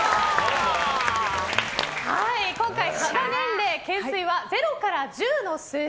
今回、肌年齢、懸垂は０から１０の数字。